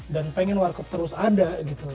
dan pengen warcop terus ada gitu